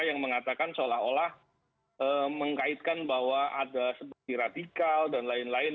yang mengatakan seolah olah mengkaitkan bahwa ada seperti radikal dan lain lain